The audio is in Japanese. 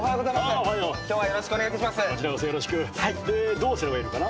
どうすればいいのかな？